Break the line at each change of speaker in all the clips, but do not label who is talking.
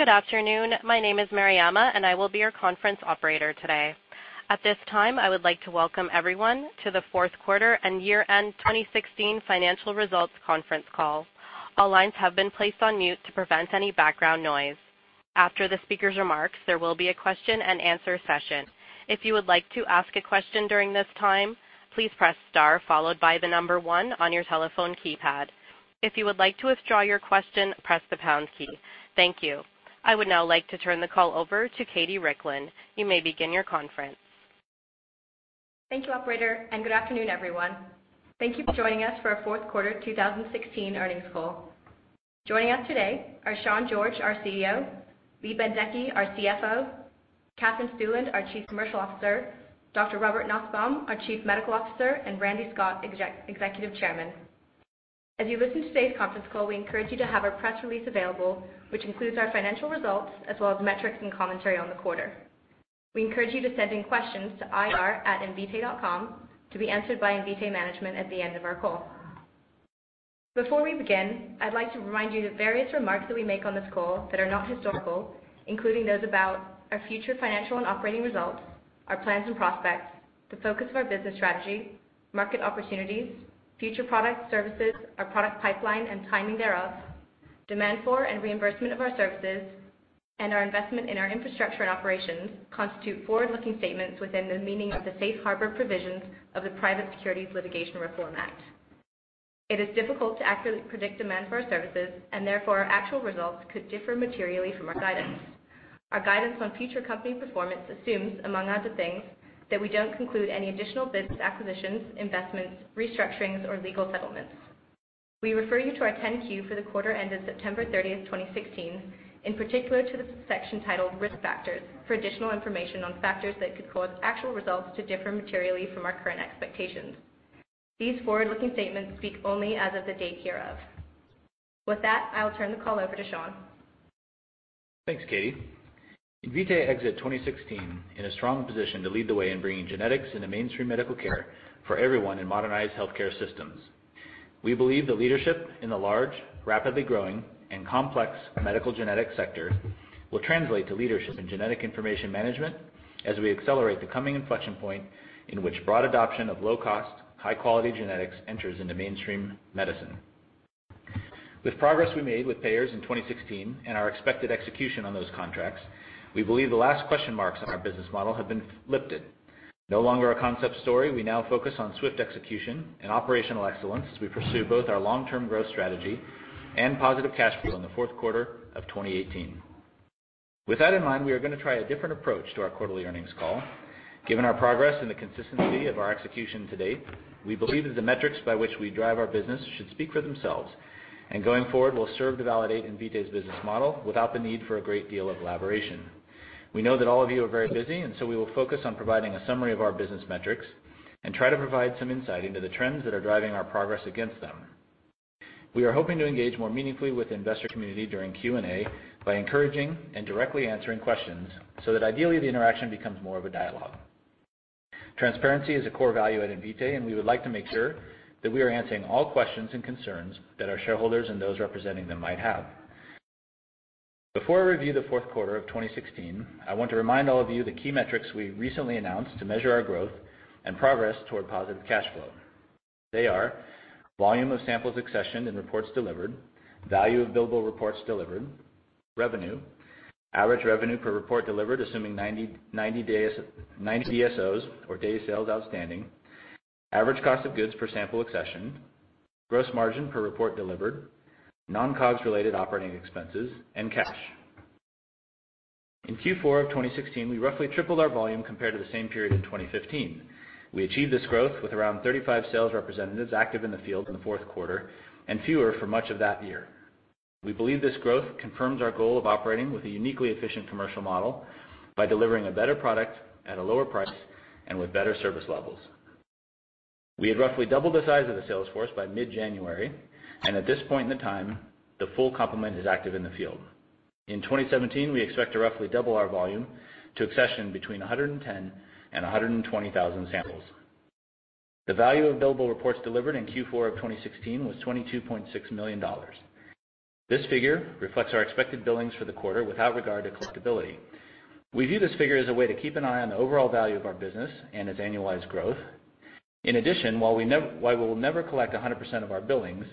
Good afternoon. My name is Mariama, and I will be your conference operator today. At this time, I would like to welcome everyone to the fourth quarter and year-end 2016 financial results conference call. All lines have been placed on mute to prevent any background noise. After the speaker's remarks, there will be a question and answer session. If you would like to ask a question during this time, please press star followed by the number one on your telephone keypad. If you would like to withdraw your question, press the pound key. Thank you. I would now like to turn the call over to Kate Kichodwn. You may begin your conference.
Thank you, operator, and good afternoon, everyone. Thank you for joining us for our fourth quarter 2016 earnings call. Joining us today are Sean George, our CEO, Lee Bendekgey, our CFO, Katherine Stueland, our Chief Commercial Officer, Dr. Robert Nussbaum, our Chief Medical Officer, and Randy Scott, Executive Chairman. As you listen to today's conference call, we encourage you to have our press release available, which includes our financial results as well as metrics and commentary on the quarter. We encourage you to send in questions to ir@invitae.com to be answered by Invitae management at the end of our call. Before we begin, I'd like to remind you that various remarks that we make on this call that are not historical, including those about our future financial and operating results, our plans and prospects, the focus of our business strategy, market opportunities, future products, services, our product pipeline and timing thereof, demand for and reimbursement of our services, and our investment in our infrastructure and operations, constitute forward-looking statements within the meaning of the safe harbor provisions of the Private Securities Litigation Reform Act. It is difficult to accurately predict demand for our services, and therefore, our actual results could differ materially from our guidance. Our guidance on future company performance assumes, among other things, that we don't conclude any additional business acquisitions, investments, restructurings, or legal settlements. We refer you to our 10-Q for the quarter ended September 30th, 2016, in particular to the section titled Risk Factors for additional information on factors that could cause actual results to differ materially from our current expectations. These forward-looking statements speak only as of the date hereof. With that, I will turn the call over to Sean.
Thanks, Katie. Invitae exits 2016 in a strong position to lead the way in bringing genetics into mainstream medical care for everyone in modernized healthcare systems. We believe the leadership in the large, rapidly growing, and complex medical genetics sector will translate to leadership in genetic information management as we accelerate the coming inflection point in which broad adoption of low-cost, high-quality genetics enters into mainstream medicine. With progress we made with payers in 2016 and our expected execution on those contracts, we believe the last question marks on our business model have been lifted. No longer a concept story, we now focus on swift execution and operational excellence as we pursue both our long-term growth strategy and positive cash flow in the fourth quarter of 2018. With that in mind, we are going to try a different approach to our quarterly earnings call. Given our progress and the consistency of our execution to date, we believe that the metrics by which we drive our business should speak for themselves. Going forward will serve to validate Invitae's business model without the need for a great deal of elaboration. We know that all of you are very busy. We will focus on providing a summary of our business metrics and try to provide some insight into the trends that are driving our progress against them. We are hoping to engage more meaningfully with the investor community during Q&A by encouraging and directly answering questions so that ideally, the interaction becomes more of a dialogue. Transparency is a core value at Invitae. We would like to make sure that we are answering all questions and concerns that our shareholders and those representing them might have. Before I review the fourth quarter of 2016, I want to remind all of you the key metrics we recently announced to measure our growth and progress toward positive cash flow. They are volume of samples accessioned and reports delivered, value of billable reports delivered, revenue, average revenue per report delivered assuming 90 DSOs or Days Sales Outstanding, average cost of goods per sample accession, gross margin per report delivered, non-COGS related operating expenses, and cash. In Q4 of 2016, we roughly tripled our volume compared to the same period in 2015. We achieved this growth with around 35 sales representatives active in the field in the fourth quarter and fewer for much of that year. We believe this growth confirms our goal of operating with a uniquely efficient commercial model by delivering a better product at a lower price and with better service levels. We had roughly doubled the size of the sales force by mid-January. At this point in time, the full complement is active in the field. In 2017, we expect to roughly double our volume to accession between 110,000 and 120,000 samples. The value of billable reports delivered in Q4 of 2016 was $22.6 million. This figure reflects our expected billings for the quarter without regard to collectability. We view this figure as a way to keep an eye on the overall value of our business and its annualized growth. In addition, while we will never collect 100% of our billings,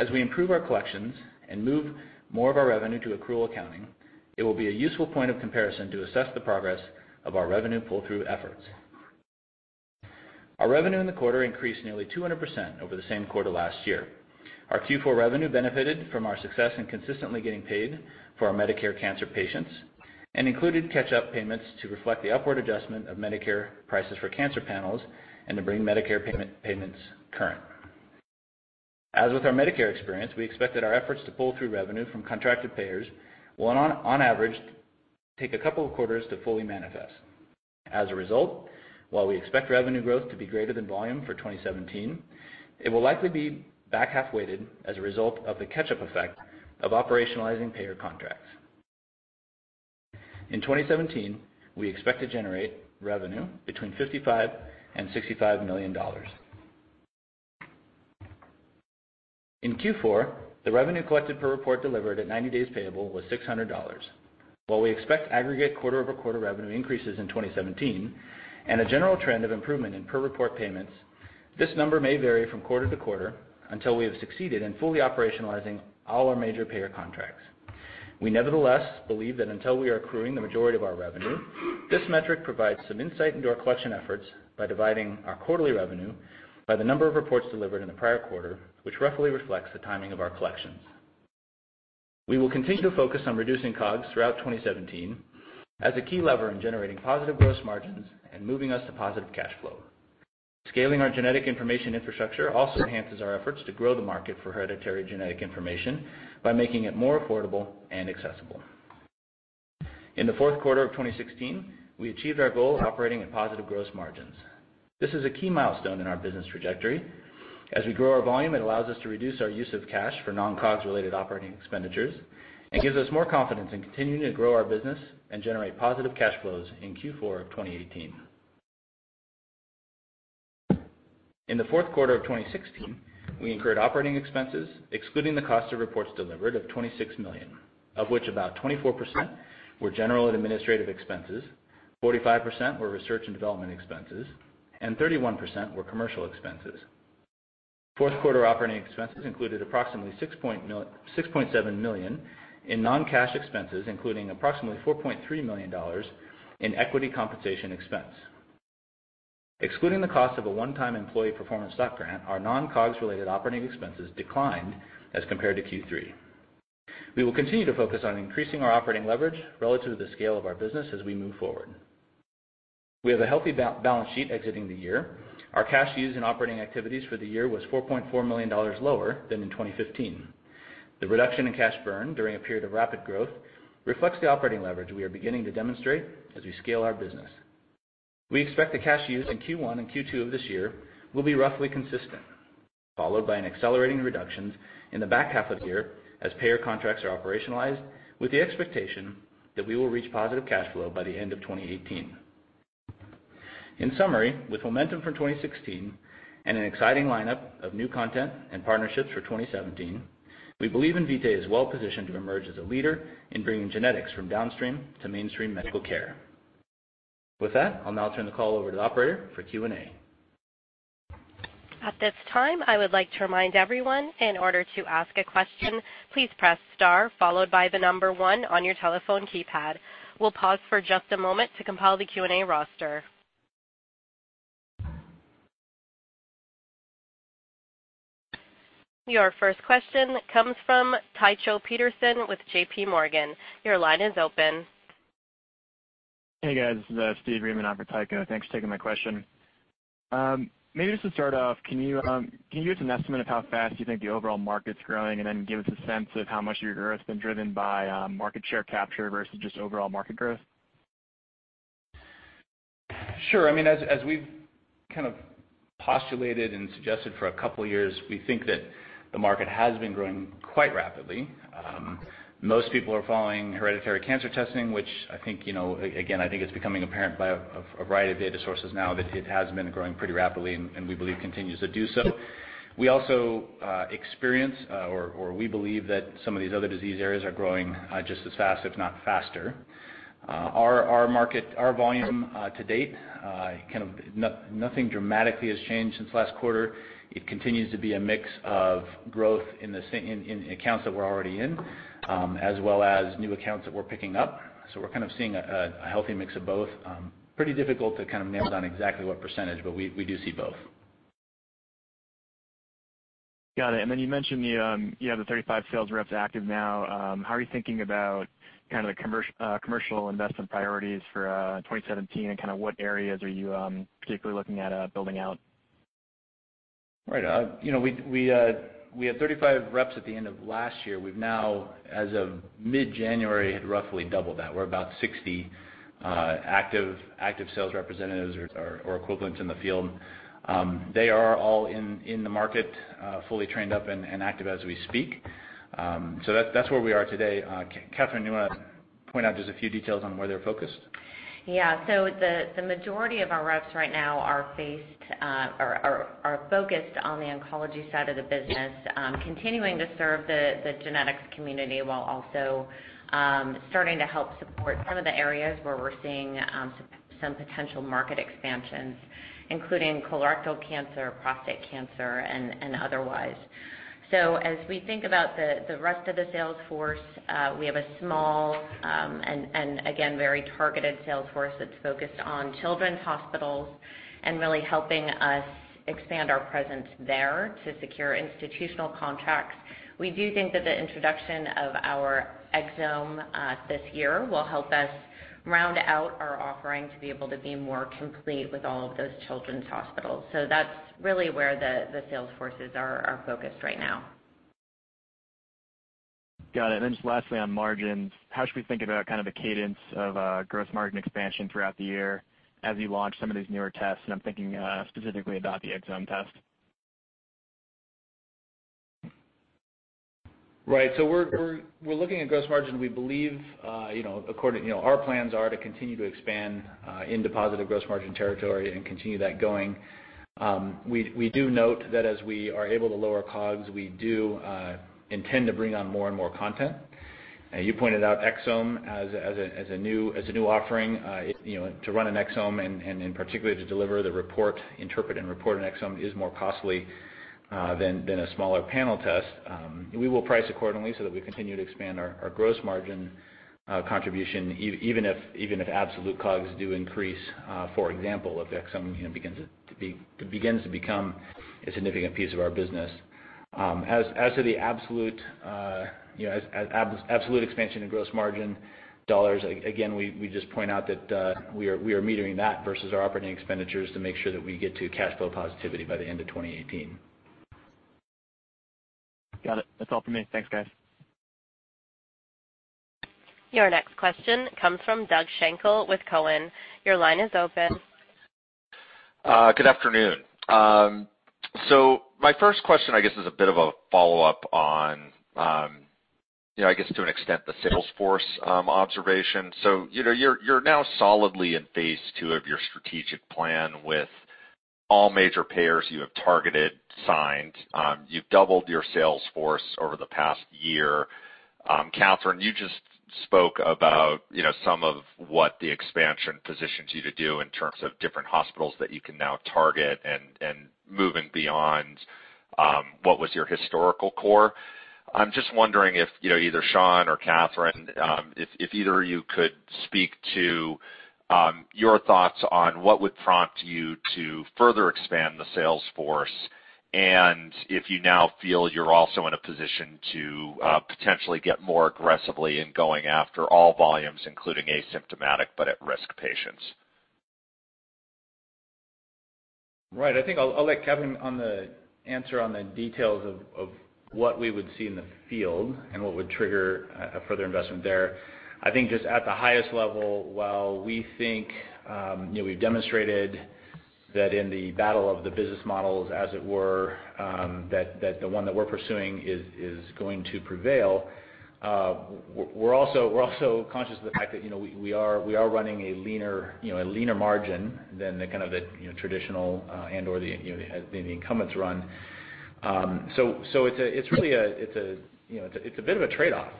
as we improve our collections and move more of our revenue to accrual accounting, it will be a useful point of comparison to assess the progress of our revenue pull-through efforts. Our revenue in the quarter increased nearly 200% over the same quarter last year. Our Q4 revenue benefited from our success in consistently getting paid for our Medicare cancer patients and included catch-up payments to reflect the upward adjustment of Medicare prices for cancer panels and to bring Medicare payments current. As with our Medicare experience, we expect that our efforts to pull through revenue from contracted payers will, on average, take a couple of quarters to fully manifest. As a result, while we expect revenue growth to be greater than volume for 2017, it will likely be back half-weighted as a result of the catch-up effect of operationalizing payer contracts. In 2017, we expect to generate revenue between $55 million and $65 million. In Q4, the revenue collected per report delivered at 90 days payable was $600. While we expect aggregate quarter-over-quarter revenue increases in 2017 and a general trend of improvement in per report payments, this number may vary from quarter to quarter until we have succeeded in fully operationalizing all our major payer contracts. We nevertheless believe that until we are accruing the majority of our revenue, this metric provides some insight into our collection efforts by dividing our quarterly revenue by the number of reports delivered in the prior quarter, which roughly reflects the timing of our collections. We will continue to focus on reducing COGS throughout 2017 as a key lever in generating positive gross margins and moving us to positive cash flow. Scaling our genetic information infrastructure also enhances our efforts to grow the market for hereditary genetic information by making it more affordable and accessible. In the fourth quarter of 2016, we achieved our goal of operating at positive gross margins. This is a key milestone in our business trajectory. As we grow our volume, it allows us to reduce our use of cash for non-COGS related operating expenditures and gives us more confidence in continuing to grow our business and generate positive cash flows in Q4 of 2018. In the fourth quarter of 2016, we incurred operating expenses, excluding the cost of reports delivered, of $26 million, of which about 24% were general and administrative expenses, 45% were research and development expenses, and 31% were commercial expenses. Fourth quarter operating expenses included approximately $6.7 million in non-cash expenses, including approximately $4.3 million in equity compensation expense. Excluding the cost of a one-time employee performance stock grant, our non-COGS related operating expenses declined as compared to Q3. We will continue to focus on increasing our operating leverage relative to the scale of our business as we move forward. We have a healthy balance sheet exiting the year. Our cash used in operating activities for the year was $4.4 million lower than in 2015. The reduction in cash burn during a period of rapid growth reflects the operating leverage we are beginning to demonstrate as we scale our business. We expect the cash used in Q1 and Q2 of this year will be roughly consistent, followed by an accelerating reduction in the back half of the year as payer contracts are operationalized, with the expectation that we will reach positive cash flow by the end of 2018. In summary, with momentum from 2016 and an exciting lineup of new content and partnerships for 2017, we believe Invitae is well positioned to emerge as a leader in bringing genetics from downstream to mainstream medical care. With that, I'll now turn the call over to the operator for Q&A.
At this time, I would like to remind everyone, in order to ask a question, please press star followed by the number 1 on your telephone keypad. We will pause for just a moment to compile the Q&A roster. Your first question comes from Tycho Peterson with J.P. Morgan. Your line is open.
Hey, guys. This is Steve Wheen on for Tycho. Thanks for taking my question. Maybe just to start off, can you give us an estimate of how fast you think the overall market's growing, and then give us a sense of how much of your growth has been driven by market share capture versus just overall market growth?
Sure. As we've kind of postulated and suggested for a couple of years, we think that the market has been growing quite rapidly. Most people are following hereditary cancer testing, which I think, again, I think it's becoming apparent by a variety of data sources now that it has been growing pretty rapidly and we believe continues to do so. We also experience or we believe that some of these other disease areas are growing just as fast, if not faster. Our volume to date, nothing dramatically has changed since last quarter. It continues to be a mix of growth in accounts that we're already in as well as new accounts that we're picking up. We're kind of seeing a healthy mix of both. Pretty difficult to kind of nail down exactly what percentage, but we do see both.
Got it. Then you mentioned you have the 35 sales reps active now. How are you thinking about the commercial investment priorities for 2017, and what areas are you particularly looking at building out?
Right. We had 35 reps at the end of last year. We've now, as of mid-January, had roughly doubled that. We're about 60 active sales representatives or equivalent in the field. They are all in the market, fully trained up and active as we speak. That's where we are today. Katherine, you want to point out just a few details on where they're focused?
Yeah. The majority of our reps right now are focused on the oncology side of the business, continuing to serve the genetics community while also starting to help support some of the areas where we're seeing some potential market expansions, including colorectal cancer, prostate cancer, and otherwise. As we think about the rest of the sales force, we have a small and again, very targeted sales force that's focused on children's hospitals and really helping us expand our presence there to secure institutional contracts. We do think that the introduction of our exome this year will help us round out our offering to be able to be more complete with all of those children's hospitals. That's really where the sales forces are focused right now.
Got it. Just lastly, on margins, how should we think about the cadence of gross margin expansion throughout the year as you launch some of these newer tests? I'm thinking specifically about the exome test.
Right. We're looking at gross margin. Our plans are to continue to expand into positive gross margin territory and continue that going. We do note that as we are able to lower COGS, we do intend to bring on more and more content. You pointed out exome as a new offering. To run an exome and in particular to deliver the report, interpret and report an exome is more costly than a smaller panel test. We will price accordingly so that we continue to expand our gross margin contribution, even if absolute COGS do increase, for example, if exome begins to become a significant piece of our business. As to the absolute expansion in gross margin dollars, again, we just point out that we are metering that versus our operating expenditures to make sure that we get to cash flow positivity by the end of 2018.
Got it. That's all for me. Thanks, guys.
Your next question comes from Doug Schenkel with Cowen. Your line is open.
Good afternoon. My first question, I guess, is a bit of a follow-up on, I guess to an extent, the sales force observation. You're now solidly in phase II of your strategic plan with all major payers you have targeted signed. You've doubled your sales force over the past year. Katherine, you just spoke about some of what the expansion positions you to do in terms of different hospitals that you can now target and moving beyond what was your historical core. I'm just wondering if, either Sean or Katherine, if either of you could speak to your thoughts on what would prompt you to further expand the sales force, and if you now feel you're also in a position to potentially get more aggressively in going after all volumes, including asymptomatic but at-risk patients.
Right. I think I'll let Katherine on the answer on the details of what we would see in the field and what would trigger a further investment there. I think just at the highest level, while we think we've demonstrated that in the battle of the business models, as it were, that the one that we're pursuing is going to prevail. We're also conscious of the fact that we are running a leaner margin than the kind of the traditional and/or the incumbents run. It's a bit of a trade-off.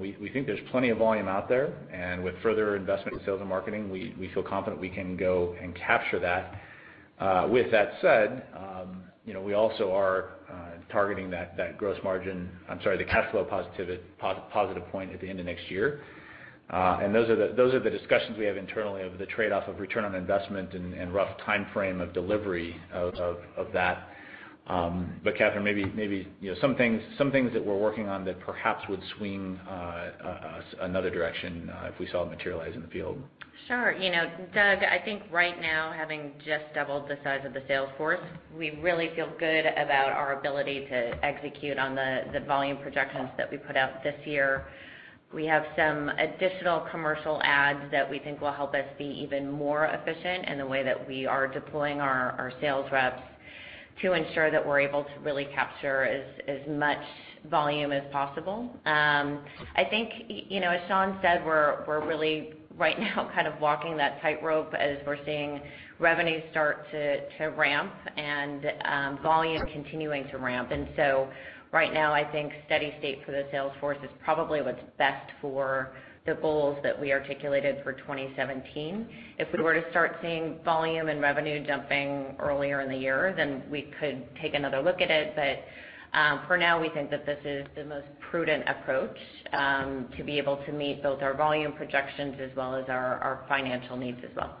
We think there's plenty of volume out there, and with further investment in sales and marketing, we feel confident we can go and capture that. With that said, we also are targeting that cash flow positive point at the end of next year. Those are the discussions we have internally of the trade-off of ROI and rough timeframe of delivery of that. Katherine, maybe some things that we're working on that perhaps would swing us another direction if we saw it materialize in the field.
Sure. Doug, I think right now, having just doubled the size of the sales force, we really feel good about our ability to execute on the volume projections that we put out this year. We have some additional commercial ads that we think will help us be even more efficient in the way that we are deploying our sales reps to ensure that we're able to really capture as much volume as possible. I think, as Sean said, we're really right now kind of walking that tightrope as we're seeing revenue start to ramp and volume continuing to ramp. Right now, I think steady state for the sales force is probably what's best for the goals that we articulated for 2017. If we were to start seeing volume and revenue jumping earlier in the year, we could take another look at it. For now, we think that this is the most prudent approach to be able to meet both our volume projections as well as our financial needs as well.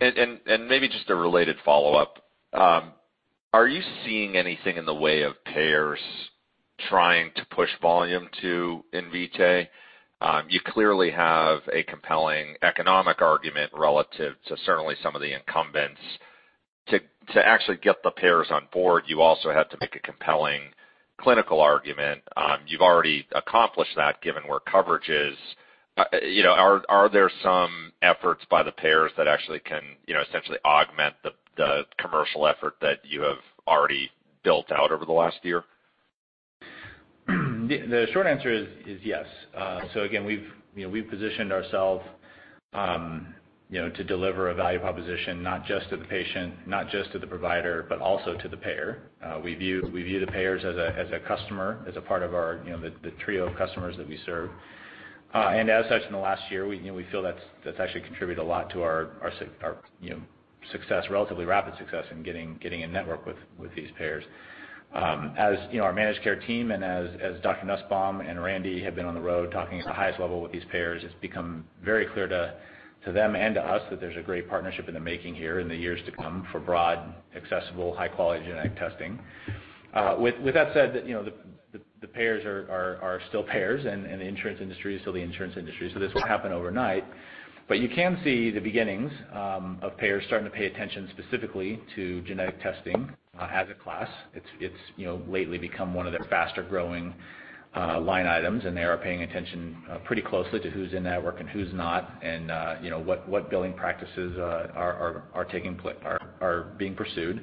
Maybe just a related follow-up. Are you seeing anything in the way of payers trying to push volume to Invitae? You clearly have a compelling economic argument relative to certainly some of the incumbents. To actually get the payers on board, you also have to make a compelling clinical argument. You've already accomplished that, given where coverage is. Are there some efforts by the payers that actually can essentially augment the commercial effort that you have already built out over the last year?
The short answer is yes. Again, we've positioned ourselves to deliver a value proposition not just to the patient, not just to the provider, but also to the payer. We view the payers as a customer, as a part of the trio of customers that we serve. As such, in the last year, we feel that's actually contributed a lot to our relatively rapid success in getting in network with these payers. As our managed care team and as Dr. Nussbaum and Randy have been on the road talking at the highest level with these payers, it's become very clear to them and to us that there's a great partnership in the making here in the years to come for broad, accessible, high-quality genetic testing. That said, the payers are still payers and the insurance industry is still the insurance industry, this won't happen overnight. You can see the beginnings of payers starting to pay attention specifically to genetic testing as a class. It's lately become one of their faster-growing line items and they are paying attention pretty closely to who's in network and who's not, and what billing practices are being pursued.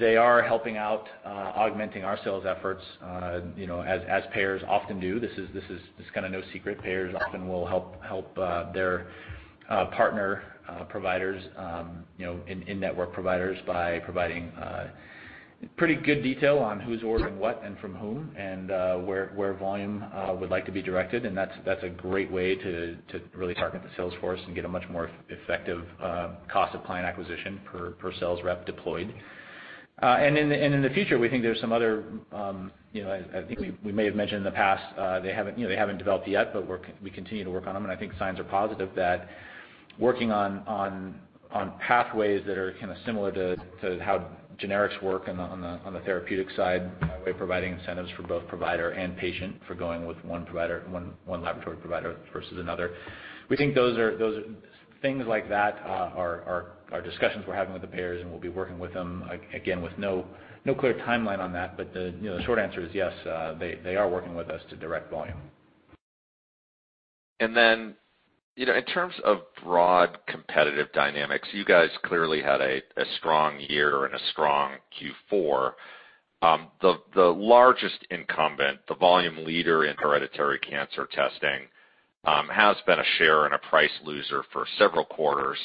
They are helping out, augmenting our sales efforts, as payers often do. This is kind of no secret. Payers often will help their partner providers, in-network providers by providing pretty good detail on who's ordering what and from whom, and where volume would like to be directed. That's a great way to really target the sales force and get a much more effective cost of client acquisition per sales rep deployed. In the future, we think we may have mentioned in the past, they haven't developed yet, but we continue to work on them. I think signs are positive that working on pathways that are kind of similar to how generics work on the therapeutic side, by way of providing incentives for both provider and patient for going with one laboratory provider versus another. We think things like that are discussions we're having with the payers. We'll be working with them, again, with no clear timeline on that. The short answer is yes, they are working with us to direct volume.
Then, in terms of broad competitive dynamics, you guys clearly had a strong year and a strong Q4. The largest incumbent, the volume leader in hereditary cancer testing, has been a share and a price loser for several quarters.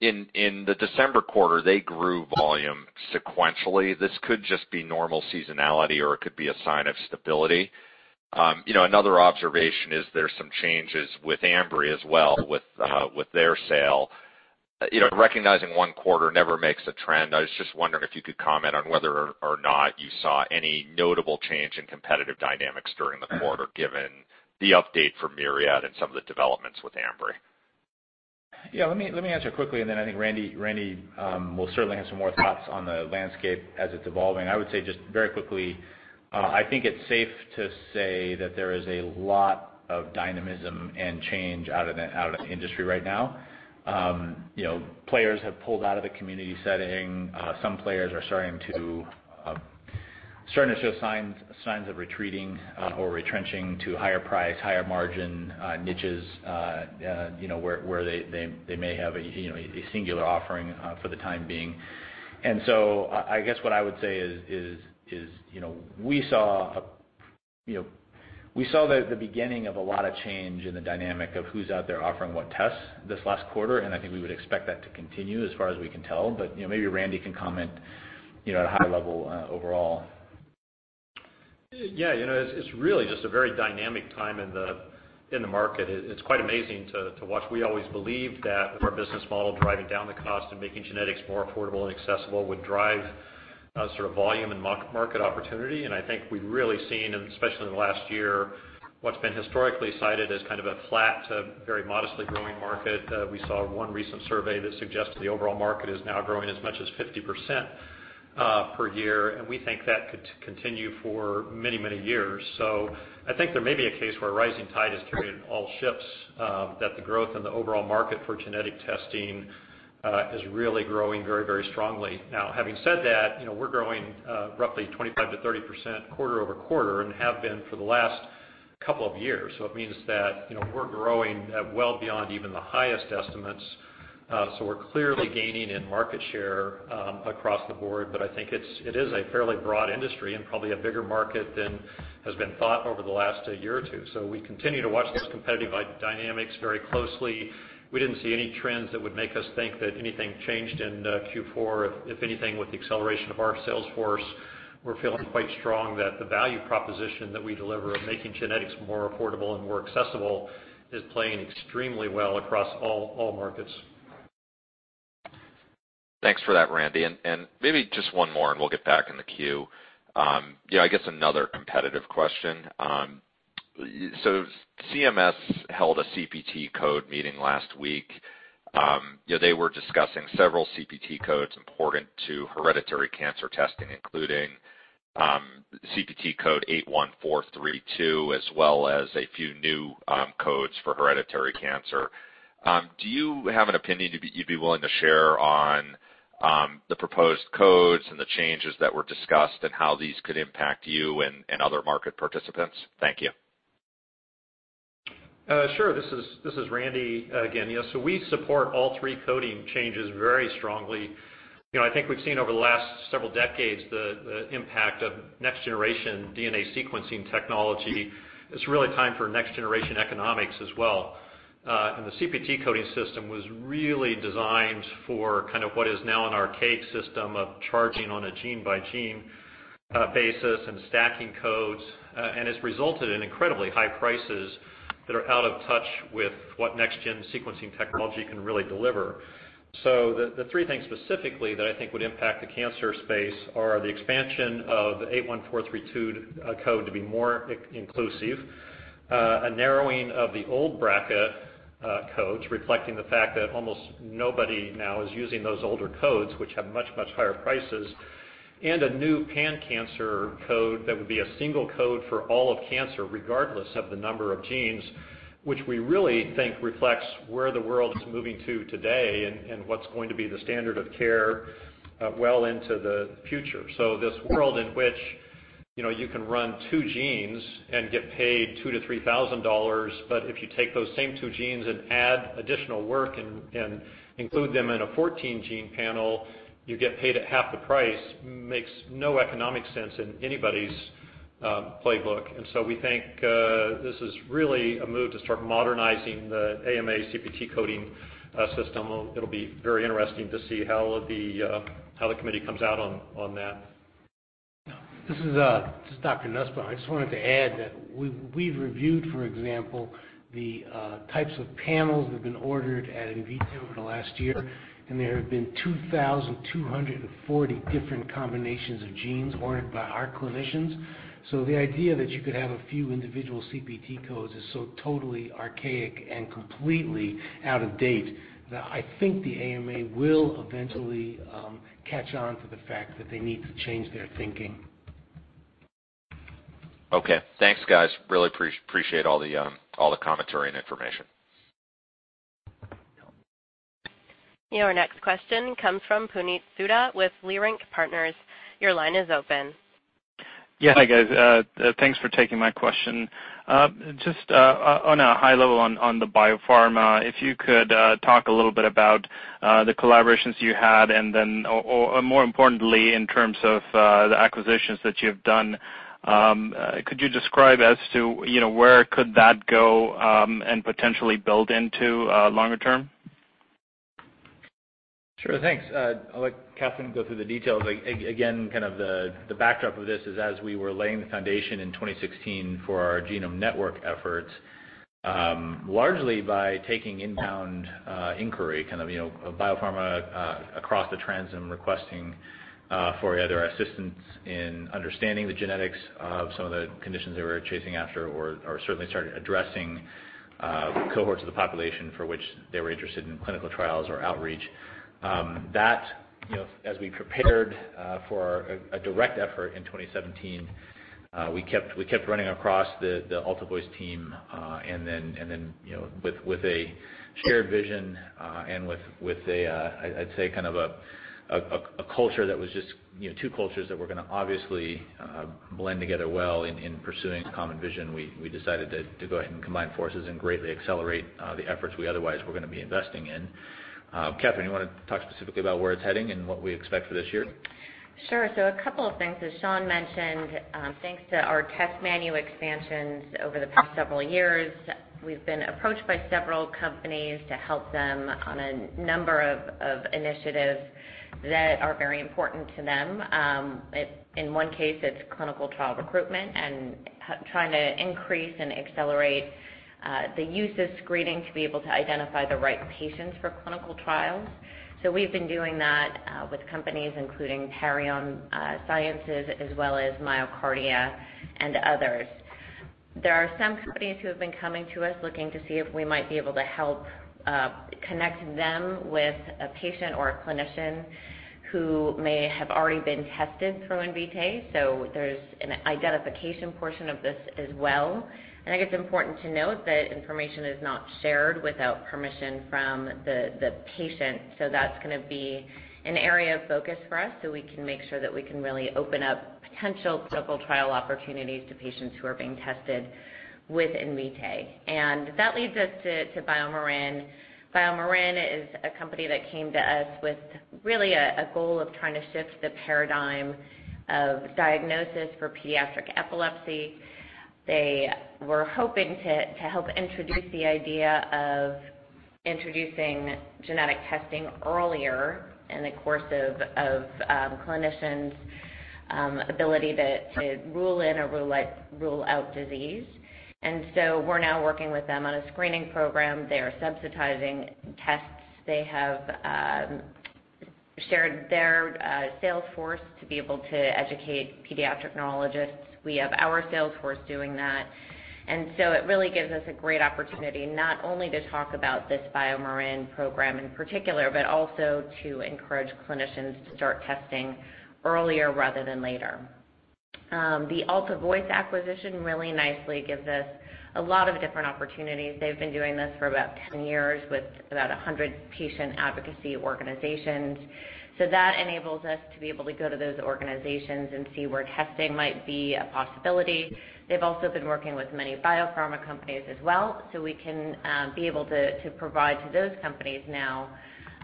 In the December quarter, they grew volume sequentially. This could just be normal seasonality, or it could be a sign of stability. Another observation is there's some changes with Ambry as well, with their sale. Recognizing one quarter never makes a trend, I was just wondering if you could comment on whether or not you saw any notable change in competitive dynamics during the quarter, given the update from Myriad and some of the developments with Ambry.
Yeah, let me answer quickly, then I think Randy will certainly have some more thoughts on the landscape as it's evolving. I would say just very quickly, I think it's safe to say that there is a lot of dynamism and change out in the industry right now. Players have pulled out of the community setting. Some players are starting to show signs of retreating or retrenching to higher price, higher margin niches where they may have a singular offering for the time being. I guess what I would say is, we saw the beginning of a lot of change in the dynamic of who's out there offering what tests this last quarter, and I think we would expect that to continue as far as we can tell. Maybe Randy can comment at a high level overall.
Yeah. It's really just a very dynamic time in the market. It's quite amazing to watch. We always believed that with our business model, driving down the cost and making genetics more affordable and accessible would drive sort of volume and market opportunity. I think we've really seen, especially in the last year, what's been historically cited as kind of a flat to very modestly growing market. We saw one recent survey that suggests the overall market is now growing as much as 50% per year, and we think that could continue for many, many years. I think there may be a case where a rising tide has carried all ships, that the growth in the overall market for genetic testing is really growing very, very strongly. Now, having said that, we're growing roughly 25%-30% quarter-over-quarter and have been for the last couple of years. It means that we're growing at well beyond even the highest estimates. We're clearly gaining in market share across the board, but I think it is a fairly broad industry and probably a bigger market than has been thought over the last year or two. We continue to watch those competitive dynamics very closely. We didn't see any trends that would make us think that anything changed in Q4. If anything, with the acceleration of our sales force, we're feeling quite strong that the value proposition that we deliver of making genetics more affordable and more accessible is playing extremely well across all markets.
Thanks for that, Randy. Maybe just one more, and we'll get back in the queue. I guess another competitive question. CMS held a CPT code meeting last week. They were discussing several CPT codes important to hereditary cancer testing, including CPT code 81432, as well as a few new codes for hereditary cancer. Do you have an opinion you'd be willing to share on the proposed codes and the changes that were discussed and how these could impact you and other market participants? Thank you.
This is Randy again. We support all three coding changes very strongly. I think we've seen over the last several decades the impact of next-generation DNA sequencing technology. It's really time for next-generation economics as well. The CPT coding system was really designed for kind of what is now an archaic system of charging on a gene-by-gene basis and stacking codes, and has resulted in incredibly high prices that are out of touch with what next gen sequencing technology can really deliver. The three things specifically that I think would impact the cancer space are the expansion of the 81432 code to be more inclusive, a narrowing of the old bracket codes reflecting the fact that almost nobody now is using those older codes, which have much higher prices, and a new pan-cancer code that would be a single code for all of cancer, regardless of the number of genes, which we really think reflects where the world is moving to today and what's going to be the standard of care well into the future. This world in which you can run two genes and get paid $2,000-$3,000, but if you take those same two genes and add additional work and include them in a 14-gene panel, you get paid at half the price. Makes no economic sense in anybody's playbook. We think this is really a move to start modernizing the AMA CPT coding system. It'll be very interesting to see how the committee comes out on that.
This is Dr. Nussbaum. I just wanted to add that we've reviewed, for example, the types of panels that have been ordered at Invitae over the last year, and there have been 2,240 different combinations of genes ordered by our clinicians. The idea that you could have a few individual CPT codes is so totally archaic and completely out of date that I think the AMA will eventually catch on to the fact that they need to change their thinking.
Okay. Thanks, guys. Really appreciate all the commentary and information.
Your next question comes from Puneet Souda with Leerink Partners. Your line is open.
Yeah. Hi, guys. Thanks for taking my question. Just on a high level on the biopharma, if you could talk a little bit about the collaborations you had and then, more importantly, in terms of the acquisitions that you've done, could you describe as to where could that go, and potentially build into longer term?
Sure. Thanks. I'll let Katherine go through the details. Again, kind of the backdrop of this is as we were laying the foundation in 2016 for our Genome Network efforts, largely by taking inbound inquiry, kind of a biopharma across the trends and requesting for either assistance in understanding the genetics of some of the conditions they were chasing after or certainly started addressing cohorts of the population for which they were interested in clinical trials or outreach. That, as we prepared for a direct effort in 2017, we kept running across the AltaVoice team, and then with a shared vision, and with, I'd say, kind of two cultures that were going to obviously blend together well in pursuing a common vision. We decided to go ahead and combine forces and greatly accelerate the efforts we otherwise were going to be investing in. Katherine, you want to talk specifically about where it's heading and what we expect for this year?
Sure. A couple of things. As Sean mentioned, thanks to our test manual expansions over the past several years, we've been approached by several companies to help them on a number of initiatives that are very important to them. In one case, it's clinical trial recruitment and trying to increase and accelerate the use of screening to be able to identify the right patients for clinical trials. We've been doing that with companies including Parabon NanoLabs as well as MyoKardia and others. There are some companies who have been coming to us looking to see if we might be able to help connect them with a patient or a clinician who may have already been tested through Invitae. There's an identification portion of this as well. I think it's important to note that information is not shared without permission from the patient. That's going to be an area of focus for us so we can make sure that we can really open up potential clinical trial opportunities to patients who are being tested with Invitae. That leads us to BioMarin. BioMarin is a company that came to us with really a goal of trying to shift the paradigm of diagnosis for pediatric epilepsy. They were hoping to help introduce the idea of introducing genetic testing earlier in the course of clinicians' ability to rule in or rule out disease. We're now working with them on a screening program. They are subsidizing tests. They have shared their sales force to be able to educate pediatric neurologists. We have our sales force doing that. It really gives us a great opportunity not only to talk about this BioMarin program in particular, but also to encourage clinicians to start testing earlier rather than later. The AltaVoice acquisition really nicely gives us a lot of different opportunities. They've been doing this for about 10 years with about 100 patient advocacy organizations. That enables us to be able to go to those organizations and see where testing might be a possibility. They've also been working with many biopharma companies as well, we can be able to provide to those companies now,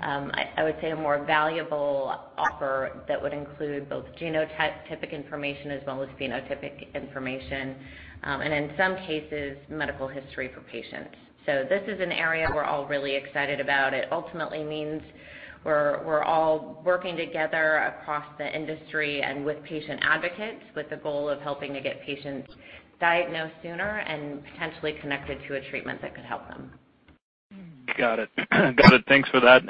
I would say a more valuable offer that would include both genotypic information as well as phenotypic information, and in some cases, medical history for patients. This is an area we're all really excited about. It ultimately means we're all working together across the industry and with patient advocates with the goal of helping to get patients diagnosed sooner and potentially connected to a treatment that could help them.
Got it. Thanks for that.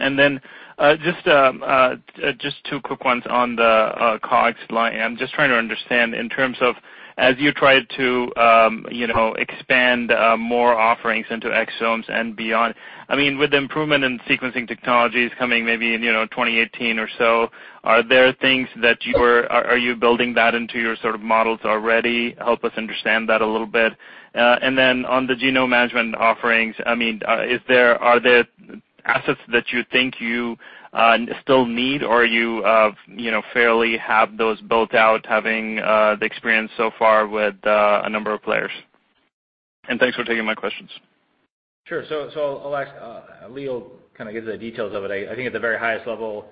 Just two quick ones on the COGS line. I'm just trying to understand in terms of as you try to expand more offerings into exomes and beyond, with the improvement in sequencing technologies coming maybe in 2018 or so, are you building that into your sort of models already? Help us understand that a little bit. Then on the genome management offerings, are there assets that you think you still need? Or you fairly have those built out, having the experience so far with a number of players? Thanks for taking my questions.
Sure. I'll ask, Lee will kind of give the details of it. I think at the very highest level,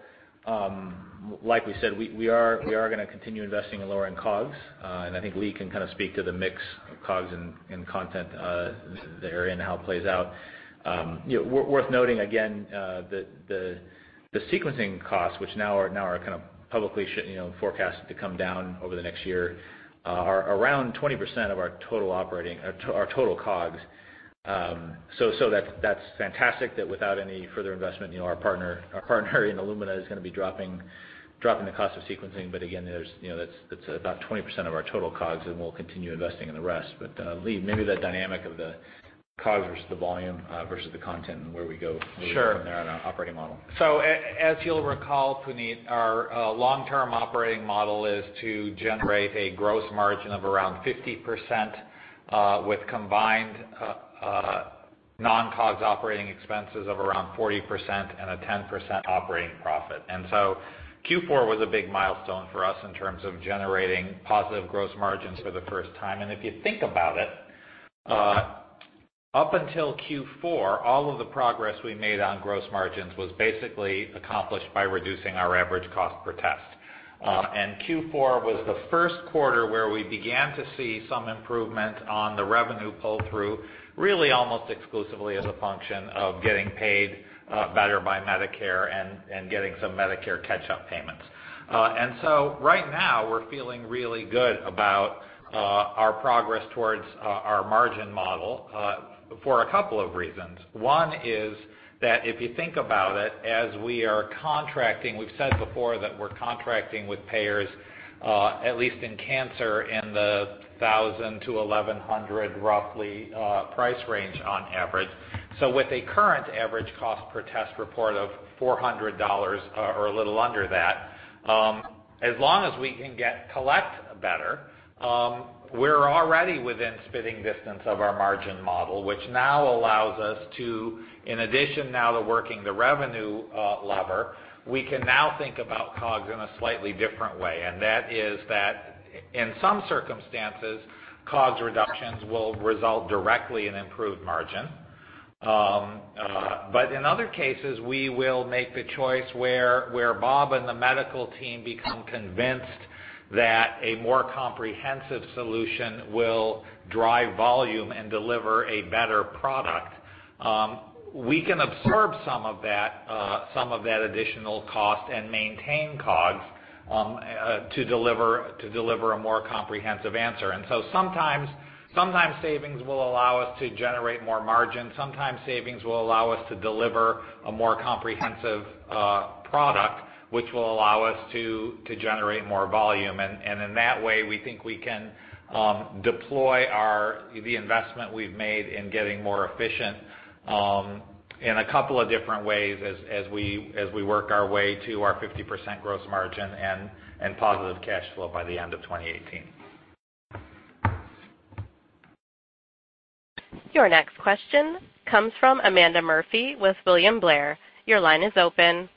like we said, we are going to continue investing in lowering COGS. I think Lee can speak to the mix of COGS and content there and how it plays out. Worth noting again, the sequencing costs, which now are kind of publicly forecast to come down over the next year, are around 20% of our total COGS. That's fantastic that without any further investment, our partner in Illumina is going to be dropping the cost of sequencing. Again, that's about 20% of our total COGS, and we'll continue investing in the rest. Lee, maybe the dynamic of the COGS versus the volume versus the content and where we go-
Sure
from there on our operating model.
As you'll recall, Puneet, our long-term operating model is to generate a gross margin of around 50% with combined non-COGS operating expenses of around 40% and a 10% operating profit. Q4 was a big milestone for us in terms of generating positive gross margins for the first time. If you think about it, up until Q4, all of the progress we made on gross margins was basically accomplished by reducing our average cost per test. Q4 was the first quarter where we began to see some improvement on the revenue pull-through, really almost exclusively as a function of getting paid better by Medicare and getting some Medicare catch-up payments. Right now we're feeling really good about our progress towards our margin model for a couple of reasons. One is that if you think about it, as we are contracting, we've said before that we're contracting with payers, at least in cancer, in the $1,000-$1,100 roughly price range on average. With a current average cost per test report of $400 or a little under that, as long as we can collect better, we're already within spitting distance of our margin model, which now allows us to, in addition now to working the revenue lever, we can now think about COGS in a slightly different way, and that is that in some circumstances, COGS reductions will result directly in improved margin. In other cases, we will make the choice where Bob and the medical team become convinced that a more comprehensive solution will drive volume and deliver a better product. We can absorb some of that additional cost and maintain COGS to deliver a more comprehensive answer. Sometimes savings will allow us to generate more margin. Sometimes savings will allow us to deliver a more comprehensive product, which will allow us to generate more volume. In that way, we think we can deploy the investment we've made in getting more efficient in a couple of different ways as we work our way to our 50% gross margin and positive cash flow by the end of 2018.
Your next question comes from Amanda Murphy with William Blair. Your line is open.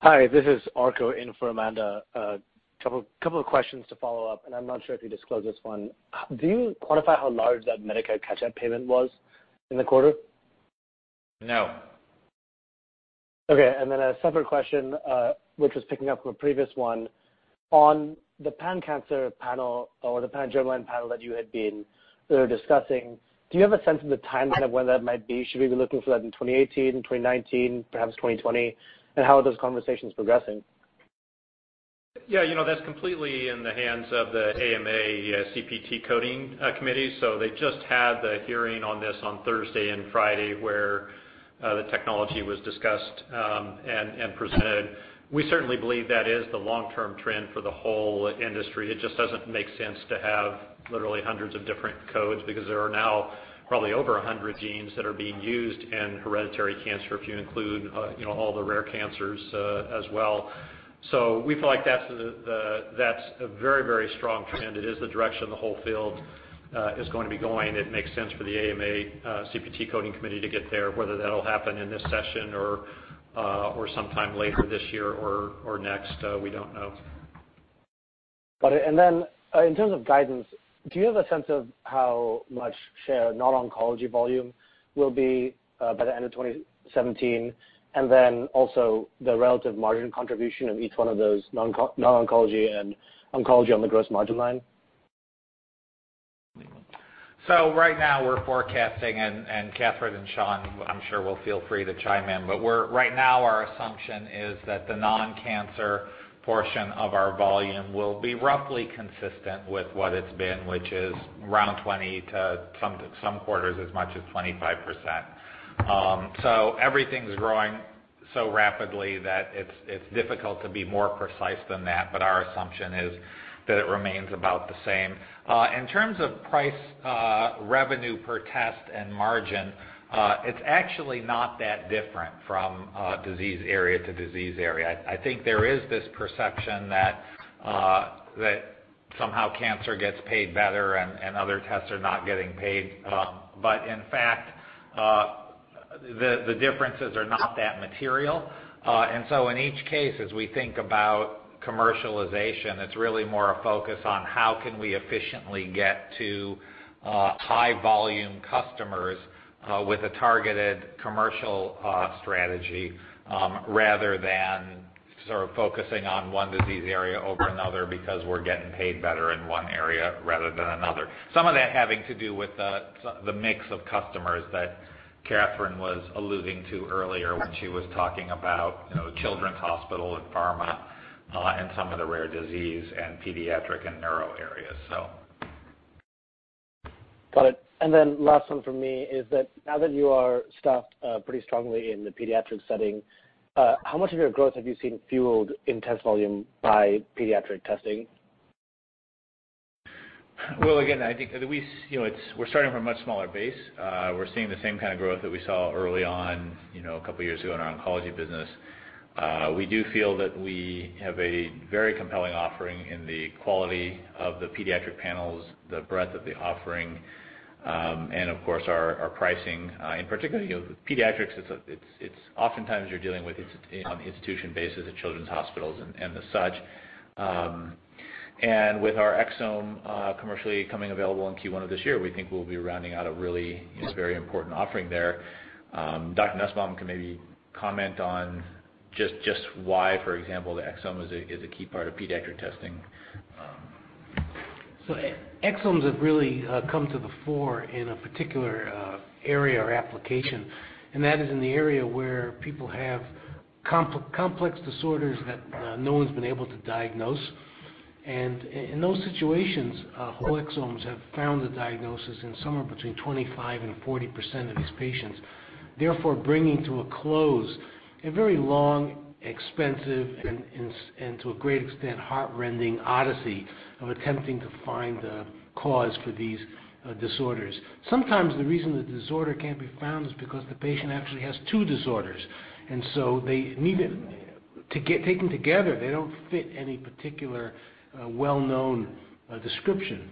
Hi, this is Aurko in for Amanda. A couple of questions to follow up, and I'm not sure if you disclosed this one. Do you quantify how large that Medicare catch-up payment was in the quarter?
No.
Okay, a separate question, which was picking up from a previous one. On the pan-cancer panel or the pan-germline panel that you had been discussing, do you have a sense of the timeline of when that might be? Should we be looking for that in 2018, 2019, perhaps 2020? How are those conversations progressing?
Yeah, that's completely in the hands of the AMA CPT coding committee. They just had the hearing on this on Thursday and Friday, where the technology was discussed and presented. We certainly believe that is the long-term trend for the whole industry. It just doesn't make sense to have literally hundreds of different codes because there are now probably over 100 genes that are being used in hereditary cancer, if you include all the rare cancers as well. We feel like that's a very, very strong trend. It is the direction the whole field is going to be going. It makes sense for the AMA CPT coding committee to get there. Whether that'll happen in this session or sometime later this year or next, we don't know.
Got it. In terms of guidance, do you have a sense of how much share non-oncology volume will be by the end of 2017, and then also the relative margin contribution of each one of those non-oncology and oncology on the gross margin line?
Right now we're forecasting, and Katherine and Sean I'm sure will feel free to chime in, but right now our assumption is that the non-cancer portion of our volume will be roughly consistent with what it's been, which is around 20%-25%. Everything's growing so rapidly that it's difficult to be more precise than that. Our assumption is that it remains about the same. In terms of price, revenue per test and margin, it's actually not that different from disease area to disease area. I think there is this perception that somehow cancer gets paid better and other tests are not getting paid. In fact, the differences are not that material. In each case, as we think about commercialization, it's really more a focus on how can we efficiently get to high volume customers with a targeted commercial strategy, rather than sort of focusing on one disease area over another, because we're getting paid better in one area rather than another. Some of that having to do with the mix of customers that Katherine was alluding to earlier when she was talking about Children's Hospital and pharma and some of the rare disease in pediatric and neuro areas.
Got it. Last one from me is that now that you are staffed pretty strongly in the pediatric setting, how much of your growth have you seen fueled in test volume by pediatric testing?
Well, again, I think we're starting from a much smaller base. We're seeing the same kind of growth that we saw early on a couple of years ago in our oncology business. We do feel that we have a very compelling offering in the quality of the pediatric panels, the breadth of the offering, and of course, our pricing. In particular, with pediatrics, it's oftentimes you're dealing with institution bases at children's hospitals and the such. With our exome commercially coming available in Q1 of this year, we think we'll be rounding out. Very important offering there. Dr. Nussbaum can maybe comment on just why, for example, the exome is a key part of pediatric testing.
Exomes have really come to the fore in a particular area or application, that is in the area where people have complex disorders that no one's been able to diagnose. In those situations, whole exomes have found the diagnosis in somewhere between 25%-40% of these patients, therefore bringing to a close a very long, expensive, and to a great extent, heart-rending odyssey of attempting to find a cause for these disorders. Sometimes the reason the disorder can't be found is because the patient actually has two disorders, and taken together, they don't fit any particular well-known description.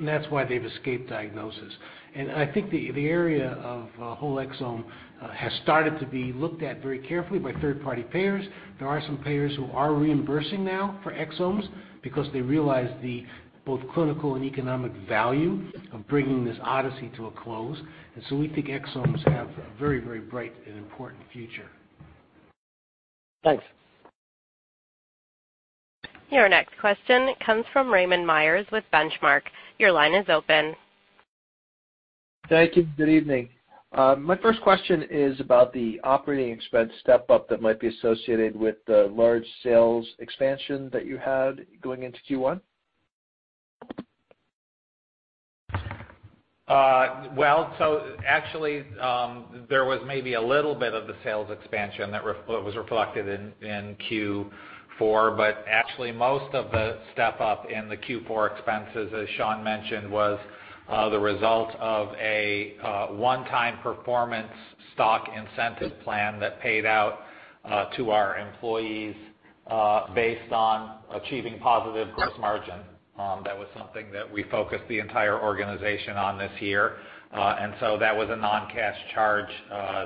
That's why they've escaped diagnosis. I think the area of whole exome has started to be looked at very carefully by third-party payers. There are some payers who are reimbursing now for exomes because they realize the both clinical and economic value of bringing this odyssey to a close. We think exomes have a very bright and important future.
Thanks.
Your next question comes from Raymond Myers with Benchmark. Your line is open.
Thank you. Good evening. My first question is about the operating expense step-up that might be associated with the large sales expansion that you had going into Q1.
Well, actually, there was maybe a little bit of the sales expansion that was reflected in Q4, actually most of the step-up in the Q4 expenses, as Sean mentioned, was the result of a one-time performance stock incentive plan that paid out to our employees based on achieving positive gross margin. That was something that we focused the entire organization on this year. That was a non-cash charge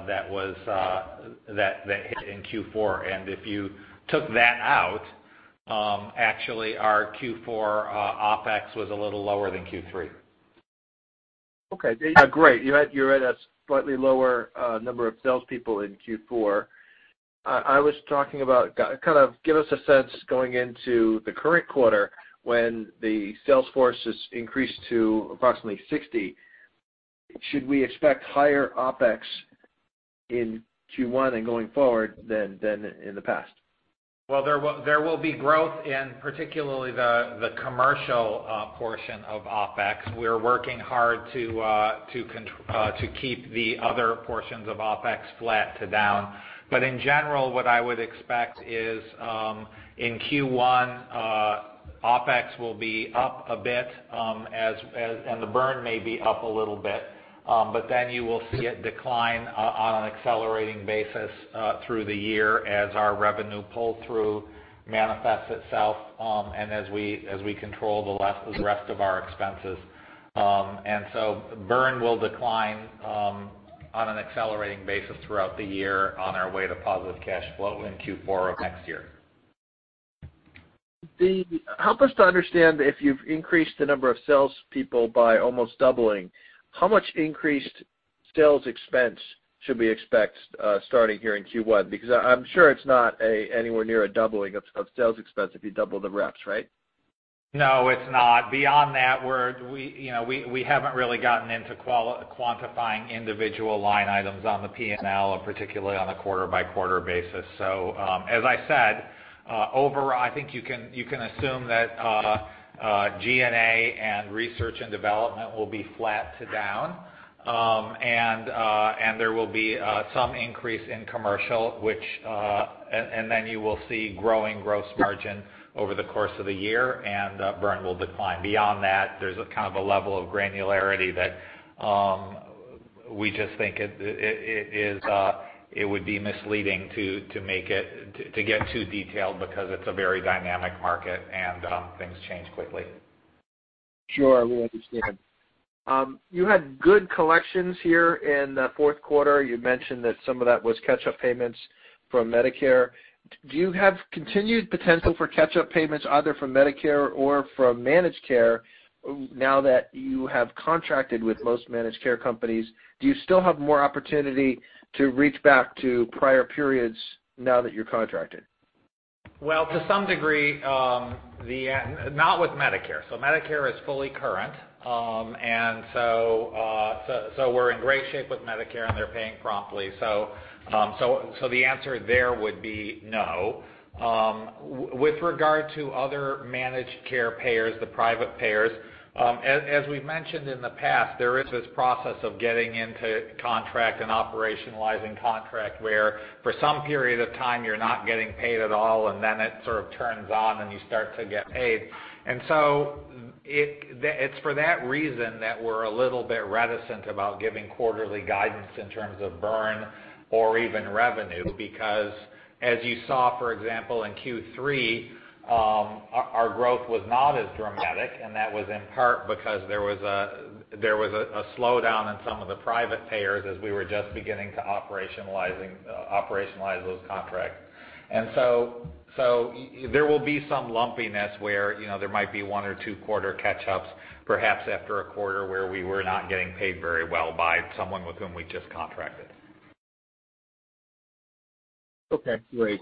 that hit in Q4. If you took that out, actually our Q4 OpEx was a little lower than Q3.
Okay. Great. You had a slightly lower number of salespeople in Q4. I was talking about, kind of give us a sense going into the current quarter when the sales force has increased to approximately 60. Should we expect higher OpEx in Q1 and going forward than in the past?
Well, there will be growth in particularly the commercial portion of OpEx. We're working hard to keep the other portions of OpEx flat to down. In general, what I would expect is, in Q1, OpEx will be up a bit and the burn may be up a little bit. You will see it decline on an accelerating basis through the year as our revenue pull-through manifests itself and as we control the rest of our expenses. Burn will decline on an accelerating basis throughout the year on our way to positive cash flow in Q4 of next year.
Help us to understand if you've increased the number of salespeople by almost doubling, how much increased sales expense should we expect starting here in Q1? I'm sure it's not anywhere near a doubling of sales expense if you double the reps, right?
No, it's not. Beyond that, we haven't really gotten into quantifying individual line items on the P&L, particularly on a quarter-by-quarter basis. As I said, I think you can assume that G&A and research and development will be flat to down. There will be some increase in commercial and you will see growing gross margin over the course of the year and burn will decline. Beyond that, there's a kind of a level of granularity that we just think it would be misleading to get too detailed because it's a very dynamic market and things change quickly.
Sure. We understand. You had good collections here in the fourth quarter. You mentioned that some of that was catch-up payments from Medicare. Do you have continued potential for catch-up payments, either from Medicare or from managed care, now that you have contracted with most managed care companies? Do you still have more opportunity to reach back to prior periods now that you're contracted?
To some degree, not with Medicare. Medicare is fully current. We're in great shape with Medicare, and they're paying promptly. The answer there would be no. With regard to other managed care payers, the private payers, as we've mentioned in the past, there is this process of getting into contract and operationalizing contract where for some period of time you're not getting paid at all, it sort of turns on, and you start to get paid. It's for that reason that we're a little bit reticent about giving quarterly guidance in terms of burn or even revenue, because as you saw, for example, in Q3, our growth was not as dramatic, and that was in part because there was a slowdown in some of the private payers as we were just beginning to operationalize those contracts. There will be some lumpiness where there might be one or two quarter catch-ups, perhaps after a quarter where we were not getting paid very well by someone with whom we just contracted.
Okay, great.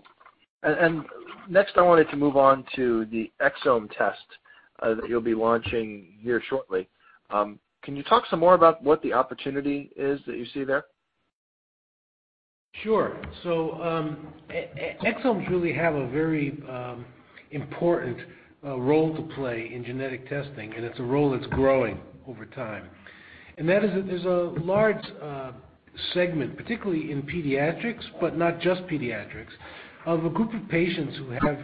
Next, I wanted to move on to the exome test that you'll be launching here shortly. Can you talk some more about what the opportunity is that you see there?
Sure. exomes really have a very important role to play in genetic testing, and it's a role that's growing over time. That is there's a large segment, particularly in pediatrics, but not just pediatrics, of a group of patients who have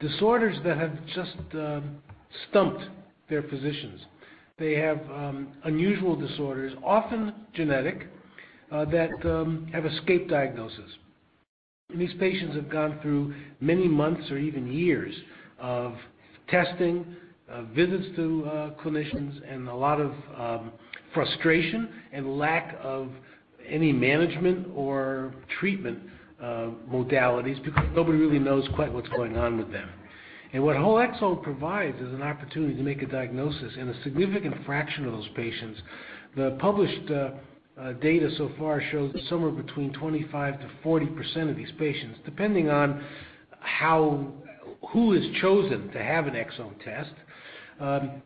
disorders that have just stumped their physicians. They have unusual disorders, often genetic, that have escaped diagnosis. These patients have gone through many months or even years of testing, visits to clinicians, and a lot of frustration and lack of any management or treatment modalities because nobody really knows quite what's going on with them. What whole exome provides is an opportunity to make a diagnosis in a significant fraction of those patients. The published data so far shows that somewhere between 25%-40% of these patients, depending on who is chosen to have an exome test,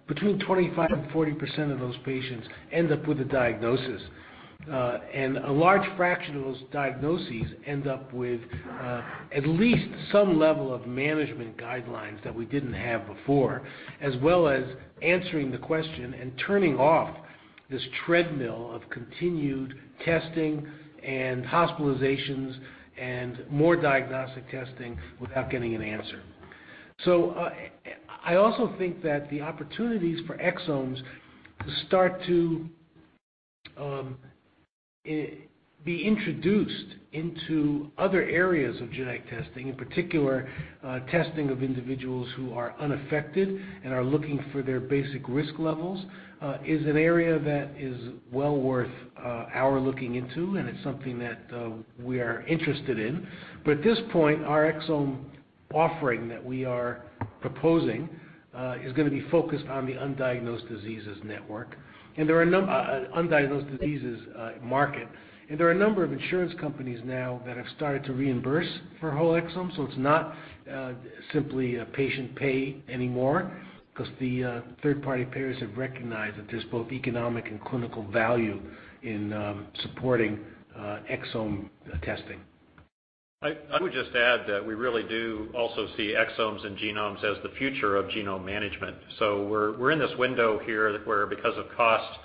between 25% and 40% of those patients end up with a diagnosis. A large fraction of those diagnoses end up with at least some level of management guidelines that we didn't have before, as well as answering the question and turning off this treadmill of continued testing and hospitalizations and more diagnostic testing without getting an answer. I also think that the opportunities for exomes to start to be introduced into other areas of genetic testing, in particular testing of individuals who are unaffected and are looking for their basic risk levels, is an area that is well worth our looking into, and it's something that we are interested in. At this point, our exome offering that we are proposing is going to be focused on the undiagnosed diseases market. There are a number of insurance companies now that have started to reimburse for whole exomes, so it's not simply a patient pay anymore, because the third-party payers have recognized that there's both economic and clinical value in supporting exome testing.
I would just add that we really do also see exomes and genomes as the future of genome management. We're in this window here where, because of cost,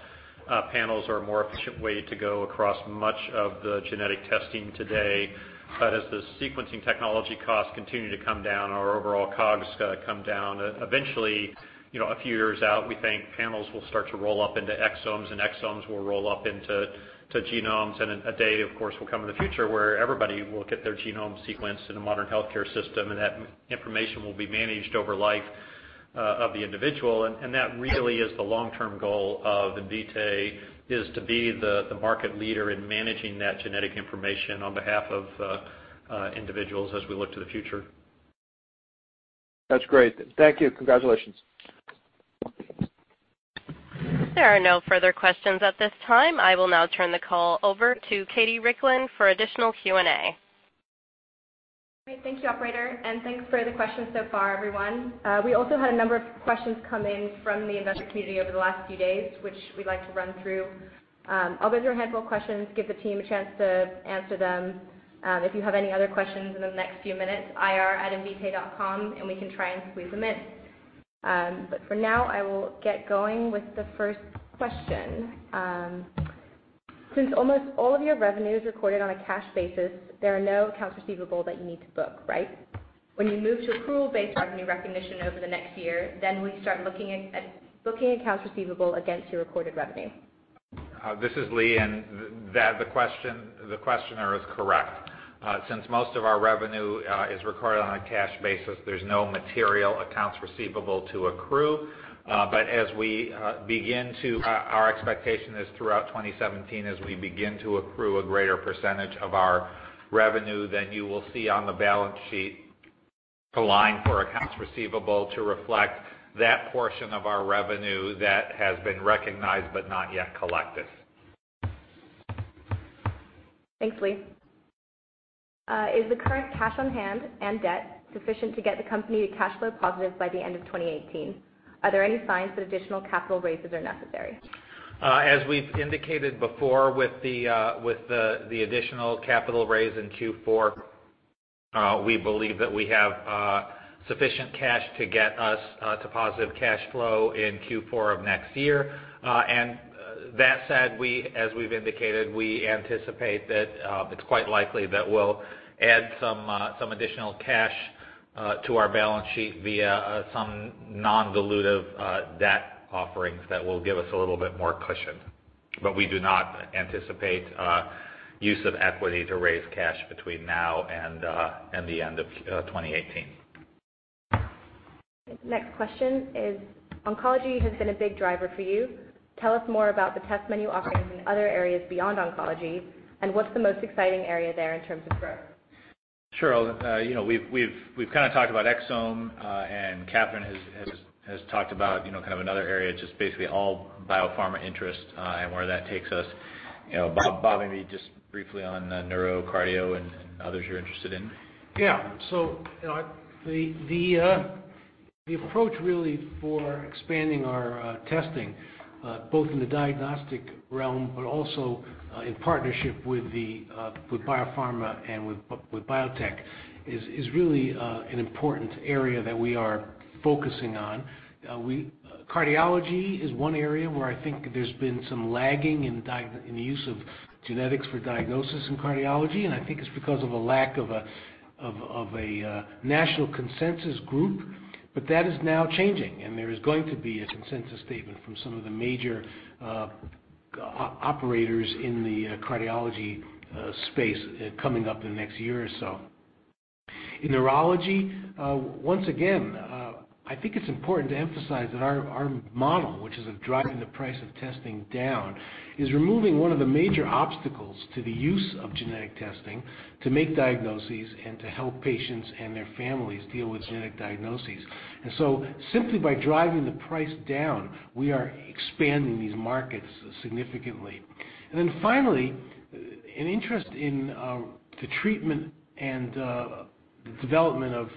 panels are a more efficient way to go across much of the genetic testing today. As the sequencing technology costs continue to come down, our overall costs come down. Eventually, a few years out, we think panels will start to roll up into exomes, and exomes will roll up into genomes. A day, of course, will come in the future where everybody will get their genome sequenced in a modern healthcare system, and that information will be managed over life of the individual. That really is the long-term goal of Invitae is to be the market leader in managing that genetic information on behalf of individuals as we look to the future.
That's great. Thank you. Congratulations.
There are no further questions at this time. I will now turn the call over to Katie Ricklin for additional Q&A.
Great. Thank you, operator, and thanks for the questions so far, everyone. We also had a number of questions come in from the investor community over the last few days, which we'd like to run through. I'll go through a handful of questions, give the team a chance to answer them. If you have any other questions in the next few minutes, ir@invitae.com, and we can try and squeeze them in. For now, I will get going with the first question. Since almost all of your revenue is recorded on a cash basis, there are no accounts receivable that you need to book, right? When you move to accrual-based revenue recognition over the next year, will you start looking at accounts receivable against your recorded revenue?
This is Lee. The questioner is correct. Since most of our revenue is recorded on a cash basis, there's no material accounts receivable to accrue. Our expectation is throughout 2017, as we begin to accrue a greater percentage of our revenue, you will see on the balance sheet a line for accounts receivable to reflect that portion of our revenue that has been recognized but not yet collected.
Thanks, Lee. Is the current cash on hand and debt sufficient to get the company to cash flow positive by the end of 2018? Are there any signs that additional capital raises are necessary?
As we've indicated before with the additional capital raise in Q4, we believe that we have sufficient cash to get us to positive cash flow in Q4 of next year. That said, as we've indicated, we anticipate that it's quite likely that we'll add some additional cash to our balance sheet via some non-dilutive debt offerings that will give us a little bit more cushion. We do not anticipate use of equity to raise cash between now and the end of 2018.
Next question is, oncology has been a big driver for you. Tell us more about the test menu offerings in other areas beyond oncology and what's the most exciting area there in terms of growth?
Sure. We've kind of talked about exome. Katherine has talked about kind of another area, just basically all biopharma interest, and where that takes us. Bob, maybe just briefly on the neuro, cardio, and others you're interested in.
Yeah. The approach really for expanding our testing, both in the diagnostic realm but also in partnership with biopharma and with biotech is really an important area that we are focusing on. Cardiology is one area where I think there's been some lagging in the use of genetics for diagnosis in cardiology. I think it's because of a lack of a national consensus group. That is now changing, and there is going to be a consensus statement from some of the major operators in the cardiology space coming up in the next year or so. In neurology, once again, I think it's important to emphasize that our model, which is of driving the price of testing down, is removing one of the major obstacles to the use of genetic testing to make diagnoses and to help patients and their families deal with genetic diagnoses. Simply by driving the price down, we are expanding these markets significantly. Finally, an interest in the treatment and the development of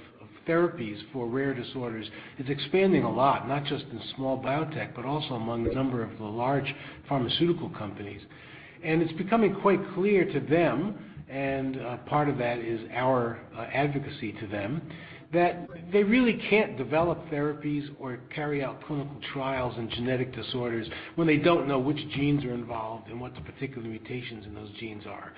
therapies for rare disorders is expanding a lot, not just in small biotech, but also among a number of the large pharmaceutical companies. It's becoming quite clear to them, and part of that is our advocacy to them, that they really can't develop therapies or carry out clinical trials in genetic disorders when they don't know which genes are involved and what the particular mutations in those genes are.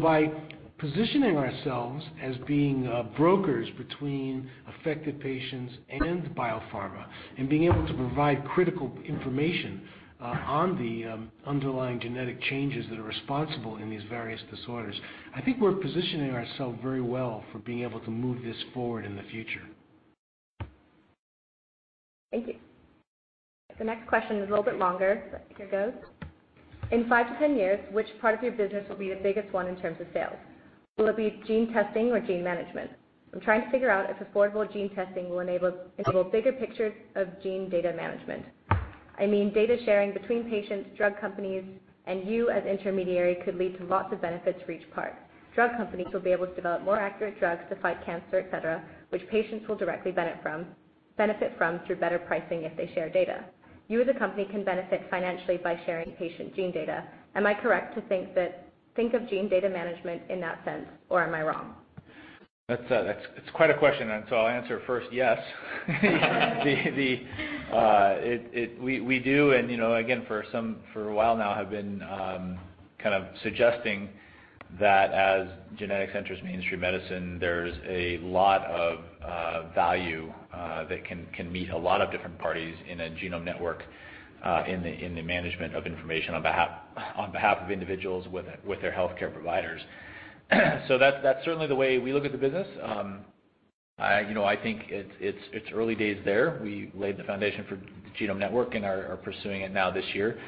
By positioning ourselves as being brokers between affected patients and biopharma, and being able to provide critical information on the underlying genetic changes that are responsible in these various disorders, I think we're positioning ourselves very well for being able to move this forward in the future.
Thank you. The next question is a little bit longer, here goes. In 5-10 years, which part of your business will be the biggest one in terms of sales? Will it be gene testing or genome management? I'm trying to figure out if affordable gene testing will enable bigger pictures of genome data management. I mean, data sharing between patients, drug companies, and you as intermediary could lead to lots of benefits for each part. Drug companies will be able to develop more accurate drugs to fight cancer, et cetera, which patients will directly benefit from through better pricing if they share data. You as a company can benefit financially by sharing patient genome data. Am I correct to think of genome data management in that sense, or am I wrong?
That's quite a question. I'll answer first, yes. We do, and again, for a while now have been kind of suggesting that as genetics enters mainstream medicine, there's a lot of value that can meet a lot of different parties in a Genome Network, in the management of information on behalf of individuals with their healthcare providers. That's certainly the way we look at the business. I think it's early days there. We laid the foundation for Genome Network and are pursuing it now this year.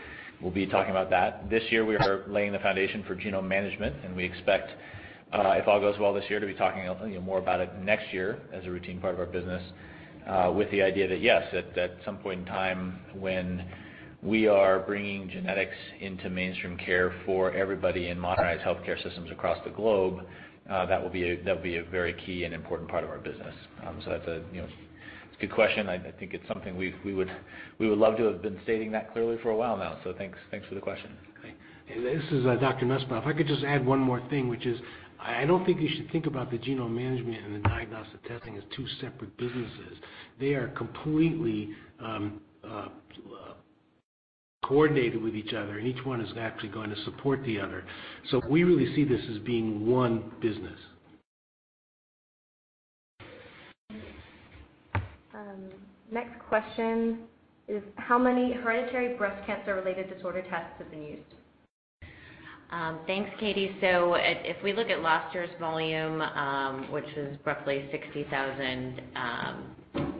We'll be talking about that. This year we are laying the foundation for genome management, and we expect, if all goes well this year, to be talking more about it next year as a routine part of our business with the idea that, yes, at some point in time when we are bringing genetics into mainstream care for everybody in modernized healthcare systems across the globe, that will be a very key and important part of our business. That's a good question. I think it's something we would love to have been stating that clearly for a while now. Thanks for the question.
Great. This is Dr. Nussbaum. If I could just add one more thing, which is, I don't think you should think about the genome management and the diagnostic testing as 2 separate businesses. They are completely coordinated with each other, and each one is actually going to support the other. We really see this as being 1 business.
Next question is, how many hereditary breast cancer-related disorder tests have been used?
Thanks, Katie. If we look at last year's volume, which was roughly 60,000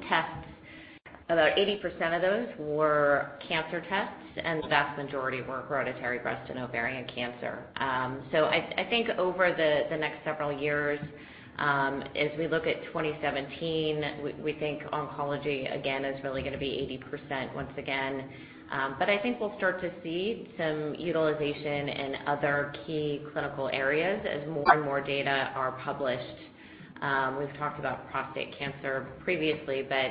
tests, about 80% of those were cancer tests, and the vast majority were Hereditary Breast and Ovarian Cancer. I think over the next several years, as we look at 2017, we think oncology, again, is really going to be 80% once again. I think we'll start to see some utilization in other key clinical areas as more and more data are published. We've talked about prostate cancer previously, but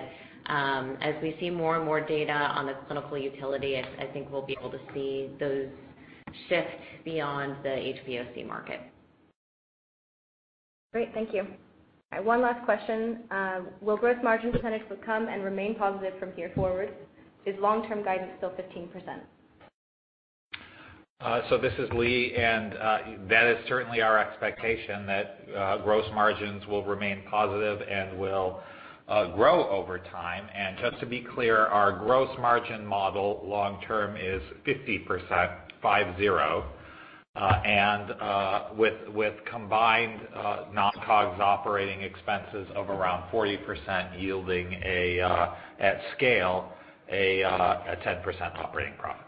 as we see more and more data on the clinical utility, I think we'll be able to see those shift beyond the HBOC market.
Great, thank you. One last question. Will growth margins for Invitae become and remain positive from here forward? Is long-term guidance still 15%?
This is Lee, that is certainly our expectation, that gross margins will remain positive and will grow over time. Just to be clear, our gross margin model long term is 50%, 50, with combined non-COGS operating expenses of around 40%, yielding, at scale, a 10% operating profit.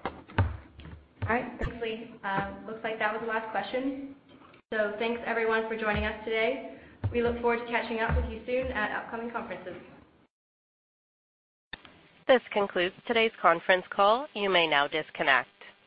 All right. Thanks, Lee. Looks like that was the last question. Thanks everyone for joining us today. We look forward to catching up with you soon at upcoming conferences.
This concludes today's conference call. You may now disconnect.